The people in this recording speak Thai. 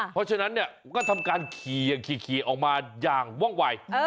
เพราะฉะนั้นเนี่ยก็ทำการขี่ออกมาอย่างว่องวัย